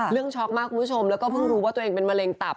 ช็อกมากคุณผู้ชมแล้วก็เพิ่งรู้ว่าตัวเองเป็นมะเร็งตับ